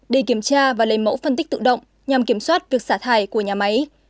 để kiểm tra và lấy mẫu phân tích tự động nhằm kiểm soát việc xả thải của nhà máy